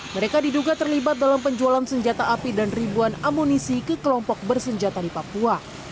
mereka diduga terlibat dalam penjualan senjata api dan ribuan amunisi ke kelompok bersenjata di papua